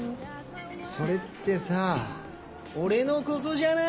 それってさ俺のことじゃない？